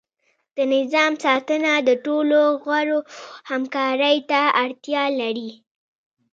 د نظام ساتنه د ټولو غړو همکاری ته اړتیا لري.